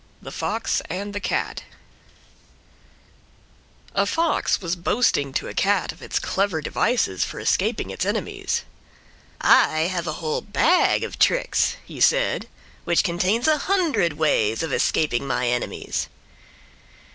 THE FOX AND THE CAT A fox was boasting to a Cat of its clever devices for escaping its enemies. "I have a whole bag of tricks," he said, "which contains a hundred ways of escaping my enemies."